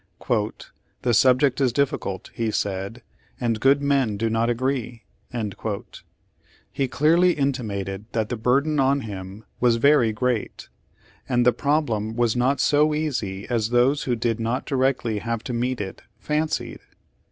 "The subject is difficult," he said, "and good men do not agree." He clearly intimated that the burden on him was very great, and the problem was not so easy as those who did not directly have to meet it fancied.